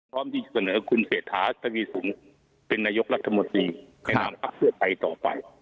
พร้อมที่จะเสนอคุณเศรษฐาทวีสินเป็นนายกรัฐมนตรีในนามพักเพื่อไทยต่อไป